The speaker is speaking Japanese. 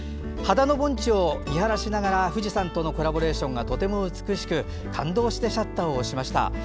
秦野盆地を見下ろしながら富士山とのコラボレーションがとても美しく感動してシャッターを押しました。